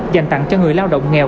dành tặng cho người lao động nghèo